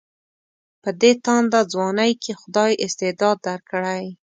په دې تانده ځوانۍ کې خدای استعداد درکړی.